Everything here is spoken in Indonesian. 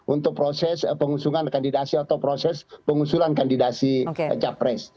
untuk proses pengusungan kandidasi atau proses pengusulan kandidasi capres